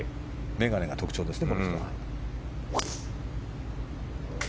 眼鏡が特徴ですね。